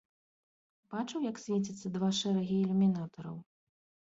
Бачыў, як свецяцца два шэрагі ілюмінатараў.